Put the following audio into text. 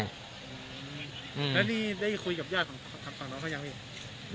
แล้วนี่ได้คุยกับญาติของน้องเขายังไหม